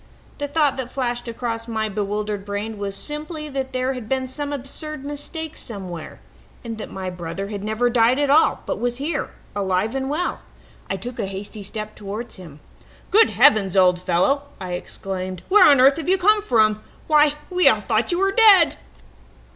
The thought that flashed across my bewildered brain was simply that there had been some absurd mistake somewhere, and that my brother had never died at all, but was here, alive and well. I took a hasty step towards him. "'Good heavens, old fellow!' I exclaimed. 'Where on earth have you come from? Why, we all thought you were dead!'